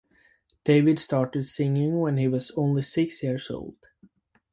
David started singing when he was only six years old.